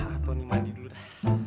hah tony mandi dulu dah